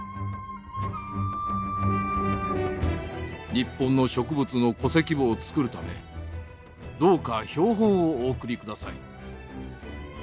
「日本の植物の戸籍簿を作るためどうか標本をお送りください」。